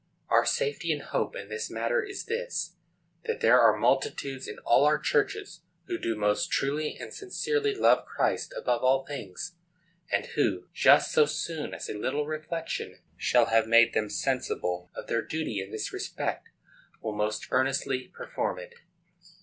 Our safety and hope in this matter is this: that there are multitudes in all our churches who do most truly and sincerely love Christ above all things, and who, just so soon as a little reflection shall have made them sensible of their duty in this respect, will most earnestly perform it.